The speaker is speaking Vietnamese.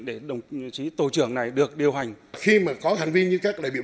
để đồng chí tổ trưởng này được điều hành khi mà có hành vi như các đại biểu